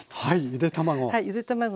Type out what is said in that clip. はいゆで卵。